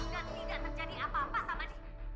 dan tidak terjadi apa apa sama dia